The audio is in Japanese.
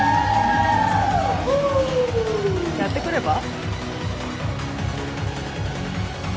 やってくれば？